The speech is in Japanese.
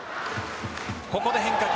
ここで変化球。